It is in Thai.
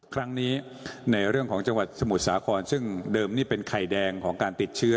ครั้งนี้ในเรื่องของจังหวัดสมุทรสาครซึ่งเดิมนี่เป็นไข่แดงของการติดเชื้อ